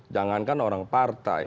jangankan orang partai